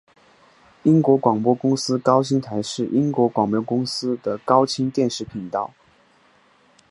英国广播公司高清台是英国广播公司的高清电视频道。